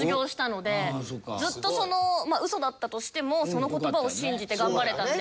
ずっとそのまあウソだったとしてもその言葉を信じて頑張れたので。